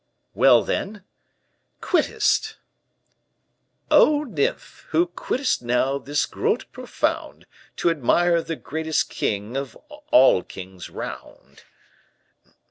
"Well, then; quittest: "Oh, nymph, who quittest now this grot profound, To admire the greatest king of all kings round."